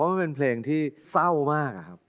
เนี่ยเป็นเพลงที่ส้ามาก